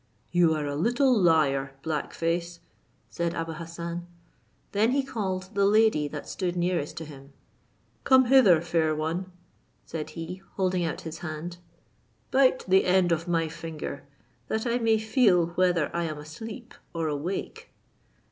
"You are a little liar, black face," said Abou Hassan. Then he called the lady that stood nearest to him; "Come hither, fair one," said he, holding out his hand, "bite the end of my finger, that I may feel whether I am asleep or awake."